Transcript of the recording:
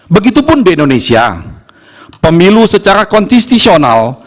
begitupun di indonesia pemilu secara konstitusional